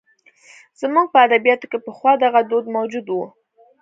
زموږ په ادبیاتو کې پخوا دغه دود موجود و.